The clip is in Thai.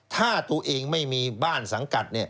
ถ้าตัวเองไม่มีบ้านสังกัด